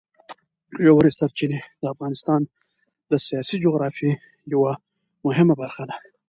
ژورې سرچینې د افغانستان د سیاسي جغرافیې یوه ډېره مهمه برخه ده.